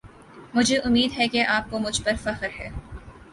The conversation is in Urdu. مجھے اُمّید ہے کی اپ کو مجھ پر فخر ہے۔